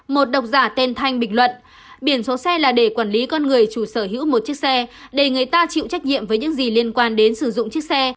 một độc giả tên thanh bình luận biển số xe là để quản lý con người chủ sở hữu một chiếc xe để người ta chịu trách nhiệm với những gì liên quan đến sử dụng chiếc xe